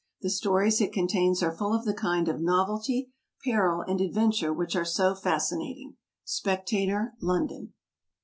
The stories it contains are full of the kind of novelty, peril, and adventure which are so fascinating. Spectator, London.